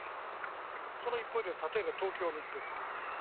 その一方で、例えば東京オリンピック。